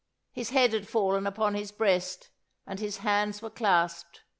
His head had fallen upon his breast, and his hands were clasped.